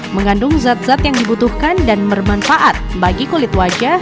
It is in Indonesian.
mengandung zat zat yang dibutuhkan dan bermanfaat bagi kulit wajah